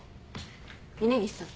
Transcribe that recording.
峰岸さん